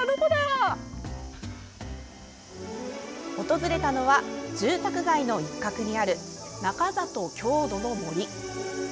訪れたのは住宅街の一角にある中里郷土の森。